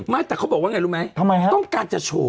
ไม่แต่เขาบอกว่าไงรู้ไหมฮะต้องการจะโชว์